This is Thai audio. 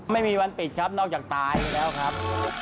ไม่มีวันปิดครับนอกจากตายแล้วครับ